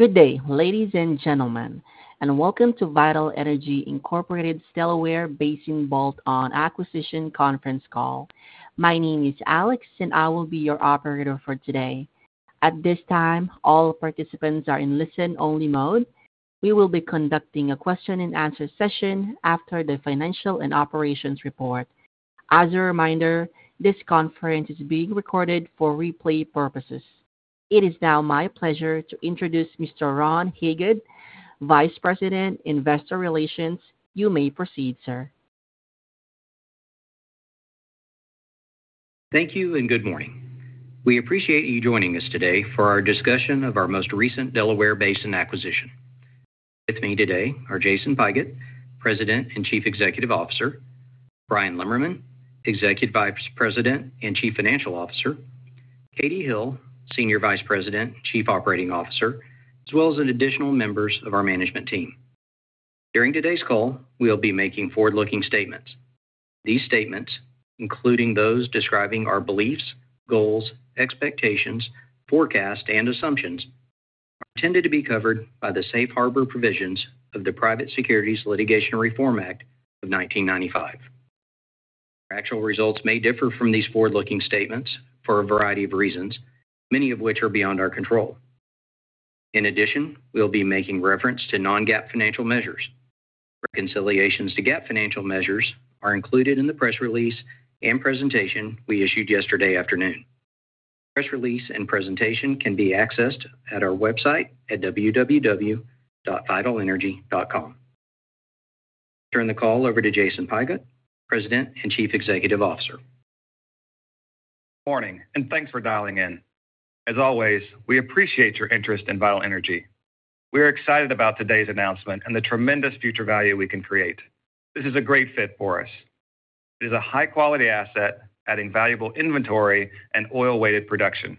Good day, ladies and gentlemen, and welcome to Vital Energy Incorporated, Delaware Basin Bolt-On Acquisition Conference Call. My name is Alex, and I will be your operator for today. At this time, all participants are in listen-only mode. We will be conducting a question and answer session after the financial and operations report. As a reminder, this conference is being recorded for replay purposes. It is now my pleasure to introduce Mr. Ron Hagood, Vice President, Investor Relations. You may proceed, sir. Thank you and good morning. We appreciate you joining us today for our discussion of our most recent Delaware Basin acquisition. With me today are Jason Pigott, President and Chief Executive Officer, Bryan Lemmerman, Executive Vice President and Chief Financial Officer, Katie Hill, Senior Vice President, Chief Operating Officer, as well as additional members of our management team. During today's call, we'll be making forward-looking statements. These statements, including those describing our beliefs, goals, expectations, forecasts, and assumptions, are intended to be covered by the Safe Harbor provisions of the Private Securities Litigation Reform Act of 1995. Our actual results may differ from these forward-looking statements for a variety of reasons, many of which are beyond our control. In addition, we'll be making reference to non-GAAP financial measures. Reconciliations to GAAP financial measures are included in the press release and presentation we issued yesterday afternoon. Press release and presentation can be accessed at our website at www.vitalenergy.com. I turn the call over to Jason Pigott, President and Chief Executive Officer. Morning, and thanks for dialing in. As always, we appreciate your interest in Vital Energy. We are excited about today's announcement and the tremendous future value we can create. This is a great fit for us. It is a high-quality asset, adding valuable inventory and oil-weighted production.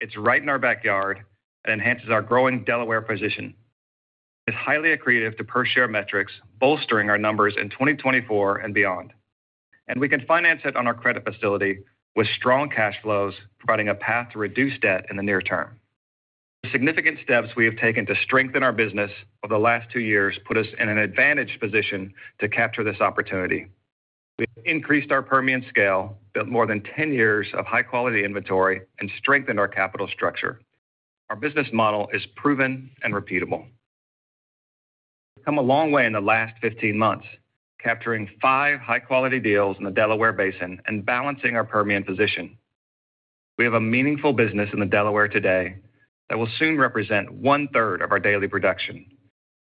It's right in our backyard and enhances our growing Delaware position. It's highly accretive to per-share metrics, bolstering our numbers in 2024 and beyond. We can finance it on our credit facility with strong cash flows, providing a path to reduce debt in the near term. The significant steps we have taken to strengthen our business over the last two years put us in an advantaged position to capture this opportunity. We increased our Permian scale, built more than 10 years of high-quality inventory, and strengthened our capital structure. Our business model is proven and repeatable. We've come a long way in the last 15 months, capturing 5 high-quality deals in the Delaware Basin and balancing our Permian position. We have a meaningful business in the Delaware today that will soon represent one-third of our daily production.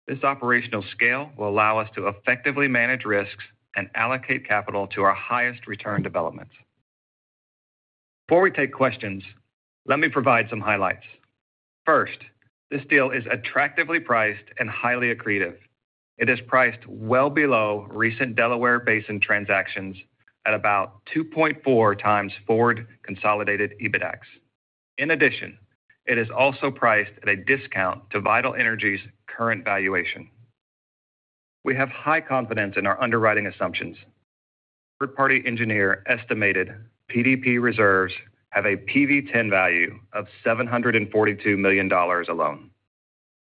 This operational scale will allow us to effectively manage risks and allocate capital to our highest return developments. Before we take questions, let me provide some highlights. First, this deal is attractively priced and highly accretive. It is priced well below recent Delaware Basin transactions at about 2.4x forward consolidated EBITDAX. In addition, it is also priced at a discount to Vital Energy's current valuation. We have high confidence in our underwriting assumptions. Third-party engineer estimated PDP reserves have a PV-10 value of $742 million alone,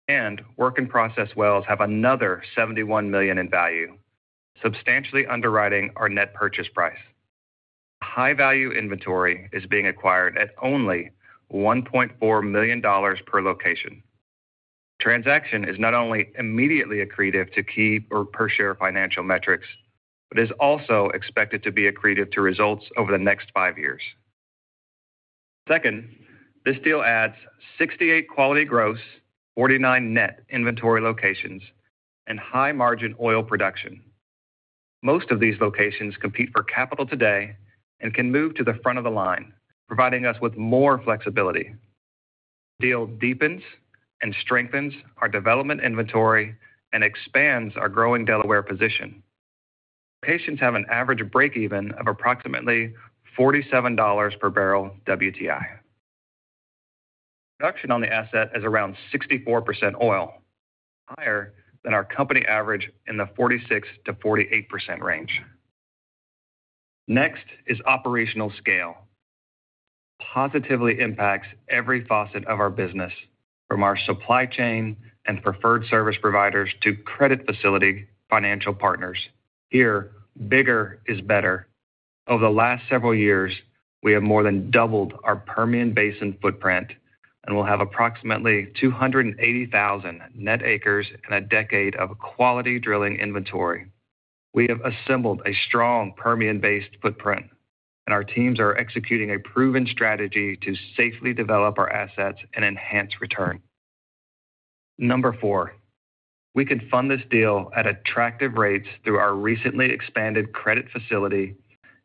and work in process wells have another $71 million in value, substantially underwriting our net purchase price. High-value inventory is being acquired at only $1.4 million per location. Transaction is not only immediately accretive to key or per share financial metrics, but is also expected to be accretive to results over the next five years. Second, this deal adds 68 quality gross, 49 net inventory locations and high-margin oil production. Most of these locations compete for capital today and can move to the front of the line, providing us with more flexibility. Deal deepens and strengthens our development inventory and expands our growing Delaware position. Locations have an average breakeven of approximately $47 per barrel WTI. Production on the asset is around 64% oil, higher than our company average in the 46%-48% range. Next is operational scale. Positively impacts every facet of our business, from our supply chain and preferred service providers to credit facility financial partners. Here, bigger is better. Over the last several years, we have more than doubled our Permian Basin footprint and will have approximately 280,000 net acres in a decade of quality drilling inventory. We have assembled a strong Permian-based footprint, and our teams are executing a proven strategy to safely develop our assets and enhance return. Number four, we could fund this deal at attractive rates through our recently expanded credit facility,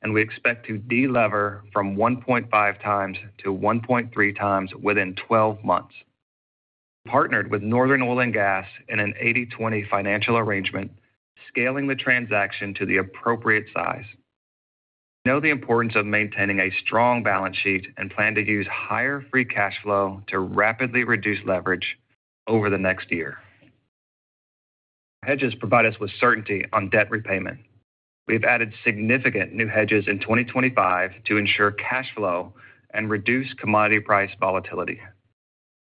and we expect to deliver from 1.5x to 1.3x within 12 months. Partnered with Northern Oil and Gas in an 80/20 financial arrangement, scaling the transaction to the appropriate size. Know the importance of maintaining a strong balance sheet and plan to use higher free cash flow to rapidly reduce leverage over the next year. Hedges provide us with certainty on debt repayment. We've added significant new hedges in 2025 to ensure cash flow and reduce commodity price volatility.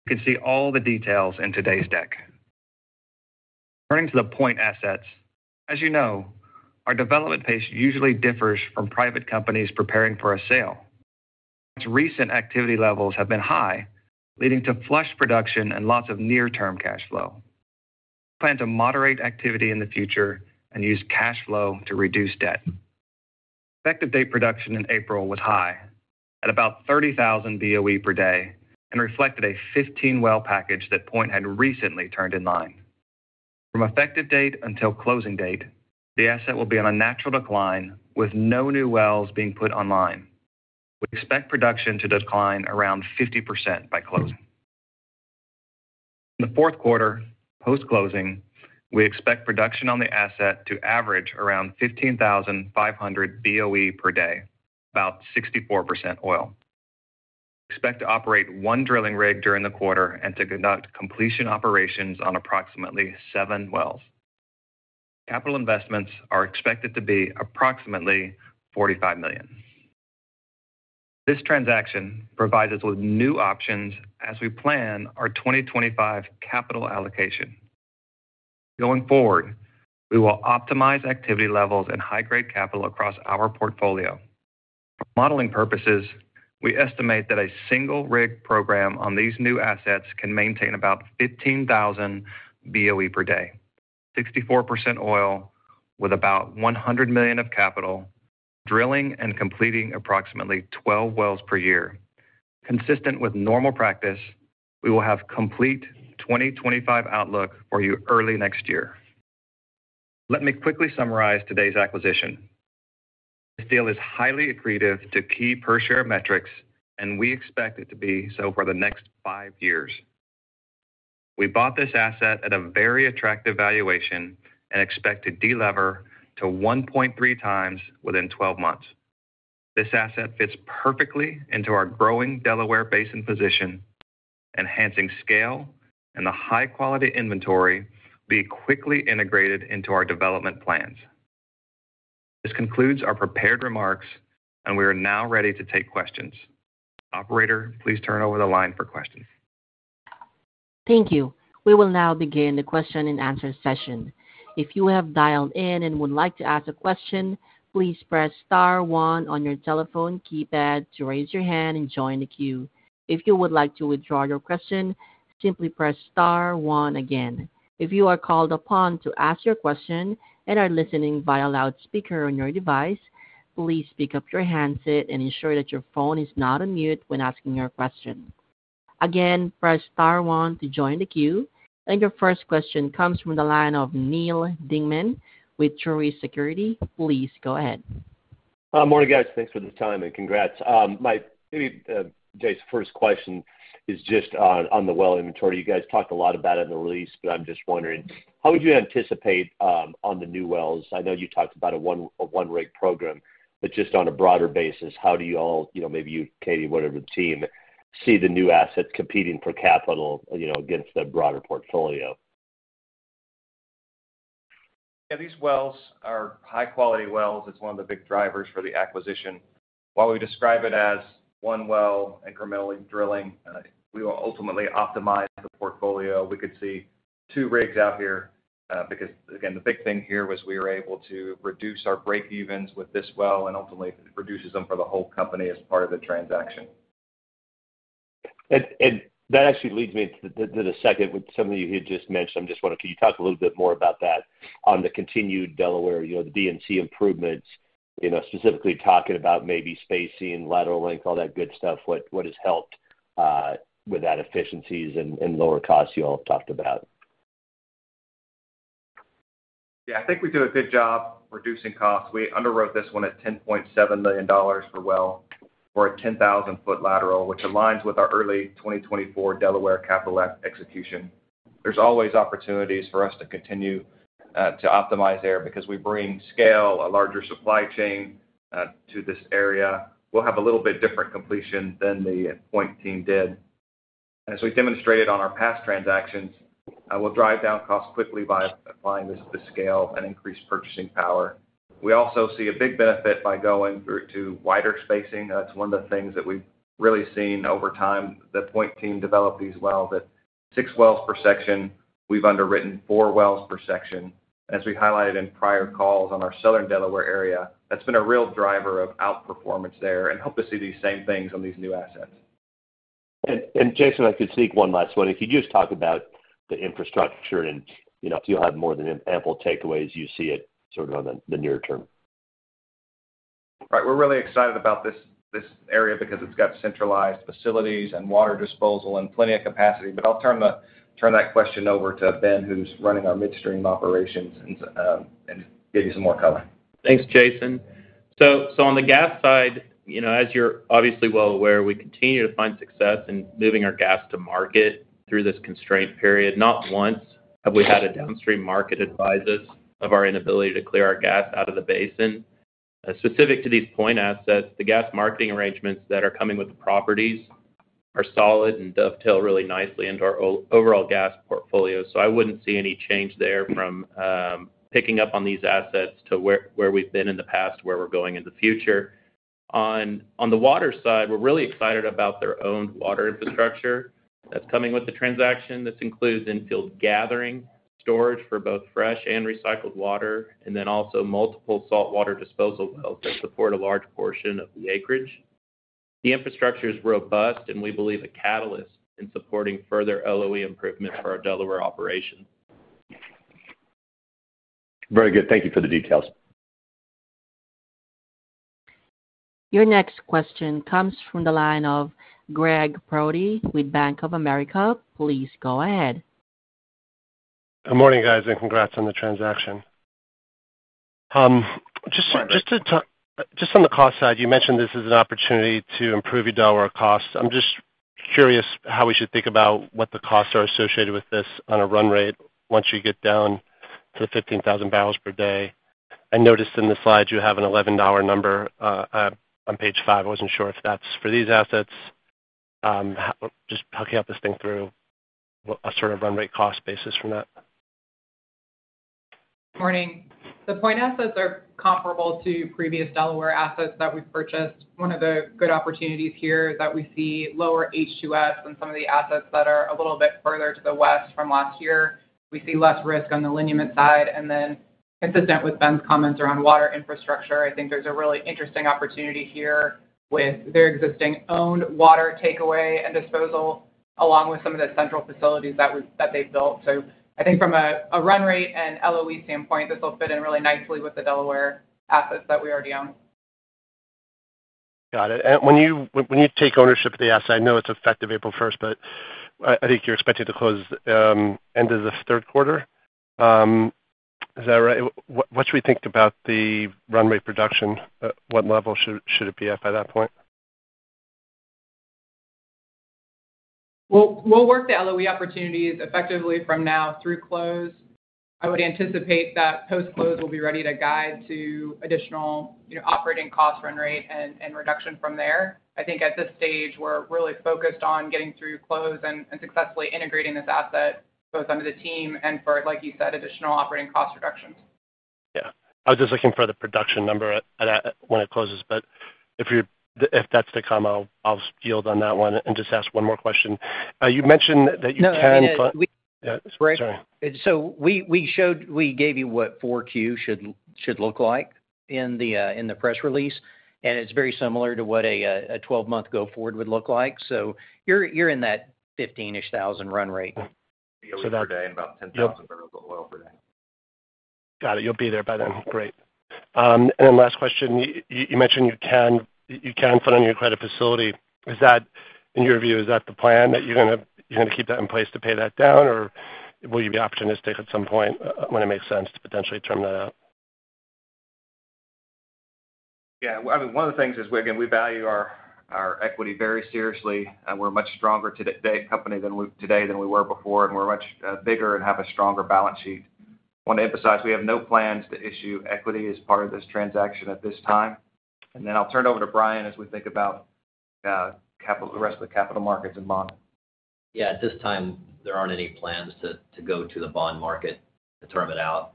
You can see all the details in today's deck. Turning to the Point assets, as you know, our development pace usually differs from private companies preparing for a sale. Its recent activity levels have been high, leading to flush production and lots of near-term cash flow. We plan to moderate activity in the future and use cash flow to reduce debt. Effective date production in April was high, at about 30,000 BOE per day, and reflected a 15-well package that Point had recently turned in line. From effective date until closing date, the asset will be on a natural decline, with no new wells being put online. We expect production to decline around 50% by closing. In the fourth quarter, post-closing, we expect production on the asset to average around 15,500 BOE per day, about 64% oil. Expect to operate one drilling rig during the quarter and to conduct completion operations on approximately seven wells. Capital investments are expected to be approximately $45 million. This transaction provides us with new options as we plan our 2025 capital allocation. Going forward, we will optimize activity levels and high-grade capital across our portfolio. For modeling purposes, we estimate that a single rig program on these new assets can maintain about 15,000 BOE per day, 64% oil, with about $100 million of capital, drilling and completing approximately 12 wells per year. Consistent with normal practice, we will have complete 2025 outlook for you early next year. Let me quickly summarize today's acquisition. This deal is highly accretive to key per-share metrics, and we expect it to be so for the next five years. We bought this asset at a very attractive valuation and expect to delever to 1.3x within 12 months. This asset fits perfectly into our growing Delaware Basin position, enhancing scale, and the high-quality inventory will be quickly integrated into our development plans. This concludes our prepared remarks, and we are now ready to take questions. Operator, please turn over the line for questions. Thank you. We will now begin the question-and-answer session. If you have dialed in and would like to ask a question, please press star one on your telephone keypad to raise your hand and join the queue. If you would like to withdraw your question, simply press star one again. If you are called upon to ask your question and are listening via loudspeaker on your device, please pick up your handset and ensure that your phone is not on mute when asking your question. Again, press star one to join the queue. Your first question comes from the line of Neal Dingmann with Truist Securities. Please go ahead. Morning, guys. Thanks for the time, and congrats. My maybe Jason, first question is just on, on the well inventory. You guys talked a lot about it in the release, but I'm just wondering, how would you anticipate on the new wells? I know you talked about a one, a one-rig program, but just on a broader basis, how do you all, you know, maybe you, Katie, whatever the team, see the new assets competing for capital, you know, against the broader portfolio? Yeah, these wells are high-quality wells. It's one of the big drivers for the acquisition. While we describe it as one well, incrementally drilling, we will ultimately optimize the portfolio. We could see two rigs out here, because, again, the big thing here was we were able to reduce our break-evens with this well and ultimately reduces them for the whole company as part of the transaction. That actually leads me to the second, which some of you had just mentioned. I'm just wondering, can you talk a little bit more about that on the continued Delaware, you know, the D&C improvements, you know, specifically talking about maybe spacing, lateral length, all that good stuff. What has helped with that efficiencies and lower costs you all talked about? Yeah, I think we do a good job reducing costs. We underwrote this one at $10.7 million per well for a 10,000-foot lateral, which aligns with our early 2024 Delaware capital execution. There's always opportunities for us to continue to optimize there, because we bring scale, a larger supply chain to this area. We'll have a little bit different completion than the Point team did. As we demonstrated on our past transactions, we'll drive down costs quickly by applying this to scale and increase purchasing power. We also see a big benefit by going through to wider spacing. That's one of the things that we've really seen over time. The Point team developed these wells at six wells per section. We've underwritten 4 wells per section. As we highlighted in prior calls on our southern Delaware area, that's been a real driver of outperformance there and hope to see these same things on these new assets. Jason, I could sneak one last one. If you just talk about the infrastructure and, you know, if you'll have more than ample takeaways, you see it sort of on the near term. Right. We're really excited about this, this area because it's got centralized facilities and water disposal and plenty of capacity. But I'll turn that question over to Ben, who's running our midstream operations, and give you some more color. Thanks, Jason. So on the gas side, you know, as you're obviously well aware, we continue to find success in moving our gas to market through this constraint period. Not once have we had a downstream market advise us of our inability to clear our gas out of the basin. Specific to these Point assets, the gas marketing arrangements that are coming with the properties... ... are solid and dovetail really nicely into our overall gas portfolio. So I wouldn't see any change there from picking up on these assets to where we've been in the past, where we're going in the future. On the water side, we're really excited about their owned water infrastructure that's coming with the transaction. This includes infield gathering, storage for both fresh and recycled water, and then also multiple saltwater disposal wells that support a large portion of the acreage. The infrastructure is robust, and we believe a catalyst in supporting further LOE improvements for our Delaware operation. Very good. Thank you for the details. Your next question comes from the line of Gregg Brody with Bank of America. Please go ahead. Good morning, guys, and congrats on the transaction. Just on the cost side, you mentioned this is an opportunity to improve your Delaware costs. I'm just curious how we should think about what the costs are associated with this on a run rate once you get down to 15,000 barrels per day. I noticed in the slide you have an $11 number on page 5. I wasn't sure if that's for these assets. How just hooking up this thing through a sort of run rate cost basis from that. Morning. The Point assets are comparable to previous Delaware assets that we've purchased. One of the good opportunities here is that we see lower H2S than some of the assets that are a little bit further to the west from last year. We see less risk on the lineament side, and then consistent with Ben's comments around water infrastructure, I think there's a really interesting opportunity here with their existing owned water takeaway and disposal, along with some of the central facilities that we, that they built. So I think from a run rate and LOE standpoint, this will fit in really nicely with the Delaware assets that we already own. Got it. And when you take ownership of the asset, I know it's effective April first, but I think you're expected to close end of this third quarter. Is that right? What should we think about the run rate production? What level should it be at by that point? We'll, we'll work the LOE opportunities effectively from now through close. I would anticipate that post-close, we'll be ready to guide to additional, you know, operating cost, run rate and reduction from there. I think at this stage, we're really focused on getting through close and successfully integrating this asset, both under the team and for, like you said, additional operating cost reductions. Yeah. I was just looking for the production number at that, when it closes, but if that's the comma, I'll yield on that one and just ask one more question. You mentioned that you can- No, yeah, we- Yeah, sorry. So we showed we gave you what Q4 should look like in the press release, and it's very similar to what a 12-month go forward would look like. So you're in that 15-ish thousand run rate. Barrel per day and about 10,000 barrels of oil per day. Got it. You'll be there by then. Great. And then last question. You, you mentioned you can, you can put on your credit facility. Is that, in your view, is that the plan, that you're gonna, you're gonna keep that in place to pay that down? Or will you be opportunistic at some point, when it makes sense to potentially term that out? Yeah. I mean, one of the things is, again, we value our equity very seriously, and we're a much stronger company today than we were before, and we're much bigger and have a stronger balance sheet. Want to emphasize, we have no plans to issue equity as part of this transaction at this time. And then I'll turn it over to Brian as we think about capital, the rest of the capital markets and bonding. Yeah, at this time, there aren't any plans to go to the bond market to term it out.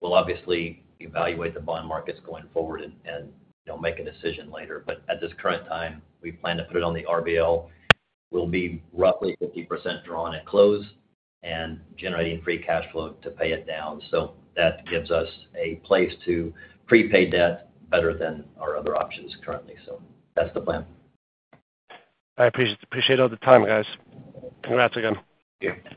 We'll obviously evaluate the bond markets going forward and, you know, make a decision later. But at this current time, we plan to put it on the RBL. We'll be roughly 50% drawn at close and generating free cash flow to pay it down. So that gives us a place to prepay debt better than our other options currently. So that's the plan. I appreciate, appreciate all the time, guys. Congrats again. Thank you.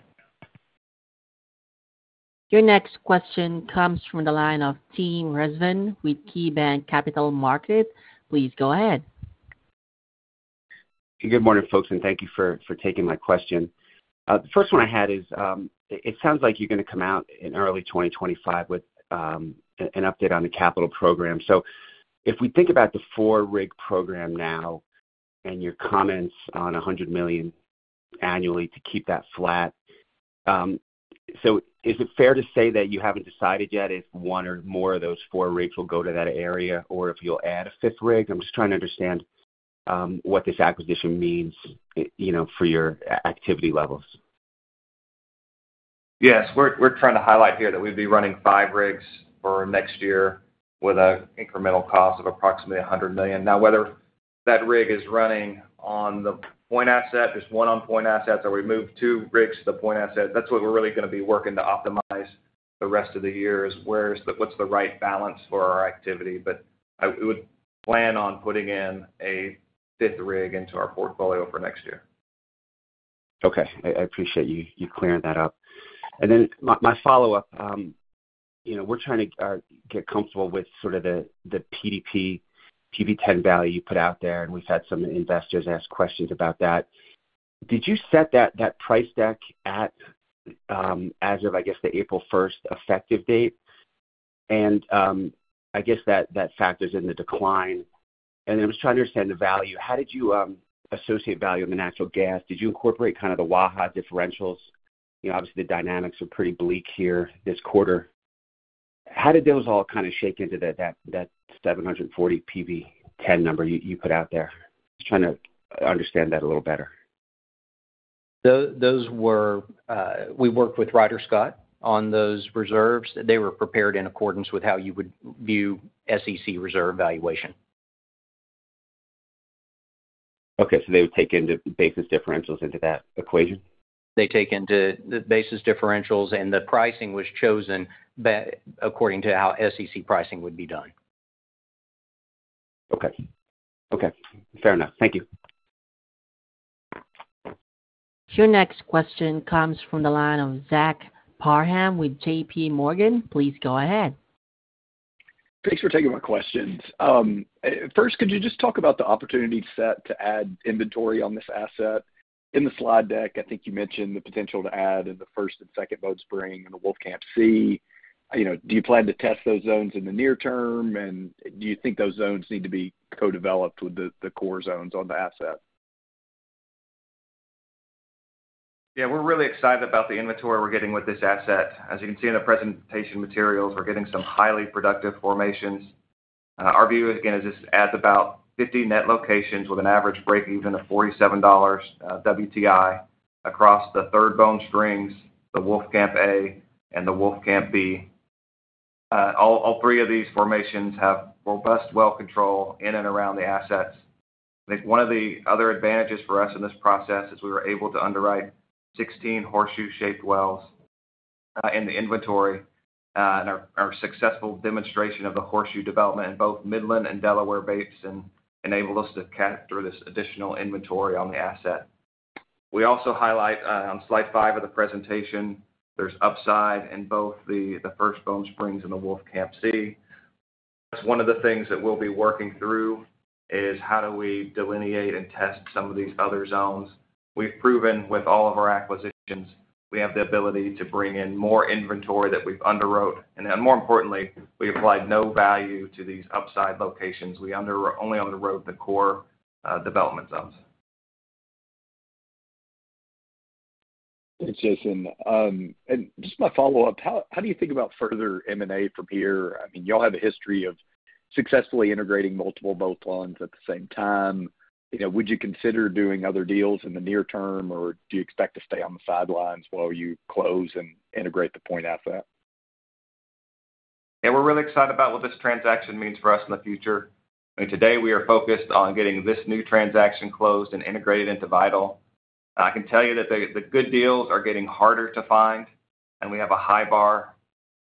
Your next question comes from the line of Tim Rezvan with KeyBanc Capital Markets. Please go ahead. Good morning, folks, and thank you for taking my question. The first one I had is, it sounds like you're gonna come out in early 2025 with an update on the capital program. So if we think about the four-rig program now and your comments on $100 million annually to keep that flat, so is it fair to say that you haven't decided yet if one or more of those four rigs will go to that area, or if you'll add a fifth rig? I'm just trying to understand what this acquisition means, you know, for your activity levels. Yes, we're, we're trying to highlight here that we'd be running five rigs for next year with a incremental cost of approximately $100 million. Now, whether that rig is running on the Point asset, just one on Point asset, or we move two rigs to the Point asset, that's what we're really gonna be working to optimize the rest of the year, is where is the, what's the right balance for our activity. But I, we would plan on putting in a fifth rig into our portfolio for next year. Okay. I appreciate you clearing that up. And then my follow-up, you know, we're trying to get comfortable with sort of the PDP, PV-10 value you put out there, and we've had some investors ask questions about that. Did you set that price deck at, as of, I guess, the April first effective date? And, I guess that factors in the decline. And I'm just trying to understand the value. How did you associate value in the natural gas? Did you incorporate kind of the Waha differentials? You know, obviously, the dynamics are pretty bleak here this quarter. ... How did those all kind of shake into that 740 PV-10 number you put out there? Just trying to understand that a little better. Those were, we worked with Ryder Scott on those reserves. They were prepared in accordance with how you would view SEC reserve valuation. Okay. So they would take into basis differentials into that equation? They take into the basis differentials, and the pricing was chosen according to how SEC pricing would be done. Okay. Okay, fair enough. Thank you. Your next question comes from the line of Zach Parham with JP Morgan. Please go ahead. Thanks for taking my questions. First, could you just talk about the opportunity set to add inventory on this asset? In the slide deck, I think you mentioned the potential to add in the first and second Bone Spring and the Wolfcamp C. You know, do you plan to test those zones in the near term? And do you think those zones need to be co-developed with the core zones on the asset? Yeah, we're really excited about the inventory we're getting with this asset. As you can see in the presentation materials, we're getting some highly productive formations. Our view, again, is this adds about 50 net locations with an average breakeven of $47 WTI, across the Third Bone Springs, the Wolfcamp A, and the Wolfcamp B. All three of these formations have robust well control in and around the assets. I think one of the other advantages for us in this process is we were able to underwrite 16 horseshoe-shaped wells in the inventory. And our successful demonstration of the horseshoe development in both Midland and Delaware Basins enabled us to capture this additional inventory on the asset. We also highlight on slide 5 of the presentation, there's upside in both the First Bone Springs and the Wolfcamp C. One of the things that we'll be working through is, how do we delineate and test some of these other zones? We've proven with all of our acquisitions, we have the ability to bring in more inventory that we've underwrote, and then more importantly, we applied no value to these upside locations. We only underwrote the core, development zones. Thanks, Jason. And just my follow-up, how do you think about further M&A from here? I mean, y'all have a history of successfully integrating multiple boatloads at the same time. You know, would you consider doing other deals in the near term, or do you expect to stay on the sidelines while you close and integrate the Point asset? Yeah, we're really excited about what this transaction means for us in the future. I mean, today we are focused on getting this new transaction closed and integrated into Vital. I can tell you that the good deals are getting harder to find, and we have a high bar.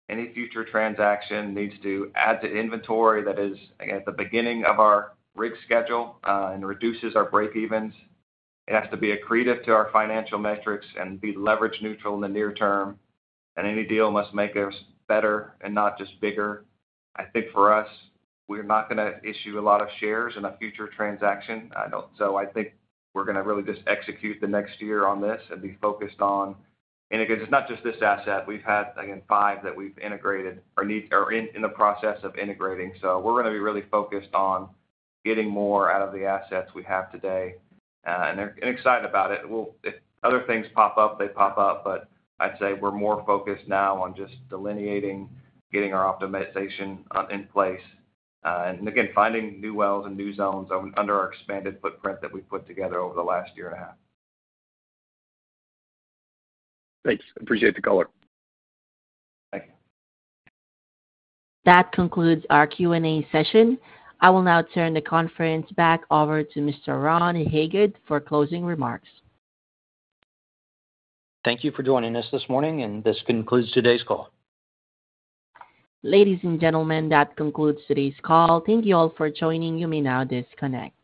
Any future transaction needs to add to inventory that is, again, at the beginning of our rig schedule, and reduces our breakevens. It has to be accretive to our financial metrics and be leverage neutral in the near term, and any deal must make us better and not just bigger. I think for us, we're not gonna issue a lot of shares in a future transaction. I don't. So I think we're gonna really just execute the next year on this and be focused on. And again, it's not just this asset. We've had, again, five that we've integrated or need or in, in the process of integrating. So we're gonna be really focused on getting more out of the assets we have today, and excited about it. We'll. If other things pop up, they pop up, but I'd say we're more focused now on just delineating, getting our optimization in place, and again, finding new wells and new zones under our expanded footprint that we've put together over the last year and a half. Thanks. Appreciate the call. Thank you. That concludes our Q&A session. I will now turn the conference back over to Mr. Ron Hagood for closing remarks. Thank you for joining us this morning, and this concludes today's call. Ladies and gentlemen, that concludes today's call. Thank you all for joining. You may now disconnect.